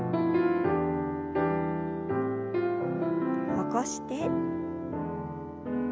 起こして。